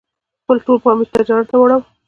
خپل ټول پام یې تجارت ته واړاوه.